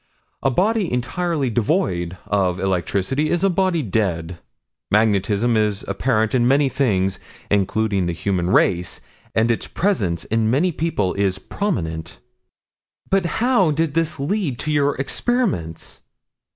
A body entirely devoid of electricity, is a body dead. Magnetism is apparent in many things including the human race, and its presence in many people is prominent." "But how did this lead to your experiments?"